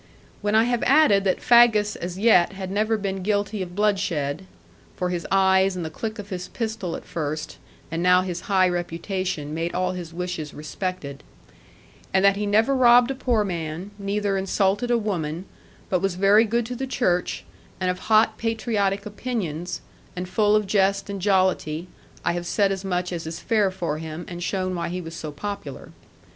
When I have added that Faggus as yet had never been guilty of bloodshed (for his eyes, and the click of his pistol at first, and now his high reputation made all his wishes respected), and that he never robbed a poor man, neither insulted a woman, but was very good to the Church, and of hot patriotic opinions, and full of jest and jollity, I have said as much as is fair for him, and shown why he was so popular.